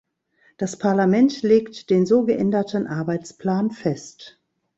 Das Parlament legt den so geänderten Arbeitsplan fest.